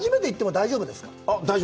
大丈夫です。